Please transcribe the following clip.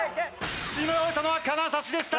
包み終えたのは金指でした！